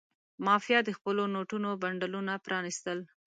مافیا د خپلو نوټونو بنډلونه پرانستل.